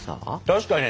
確かに！